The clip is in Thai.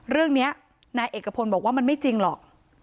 เรื่องนี้นายเอกพลบอกว่ามันไม่จริงหรอก